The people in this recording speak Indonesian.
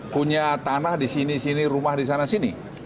punya tanah di sini sini rumah di sana sini